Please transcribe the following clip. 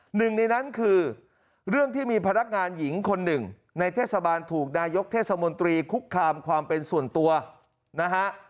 หนึ่งในนั้นคือเรื่องที่มีพนักงานหญิงคนหนึ่งในเทศบาลถูกนายกเทศมนตรีคุกคามความเป็นส่วนตัวนะฮะ